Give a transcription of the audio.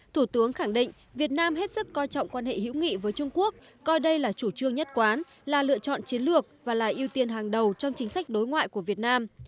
thủ tướng khẳng định việt nam hết sức coi trọng quan hệ hữu nghị với trung quốc coi đây là chủ trương nhất quán là lựa chọn chiến lược và là ưu tiên hàng đầu trong chính sách đối ngoại của việt nam